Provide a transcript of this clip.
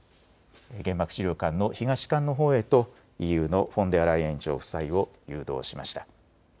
原爆資料館の東館のほうへとＥＵのフォンデアライエン委員長夫妻を誘導しました。